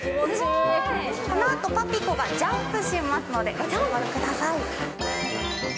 このあとパピコがジャンプしますので、ご注目ください。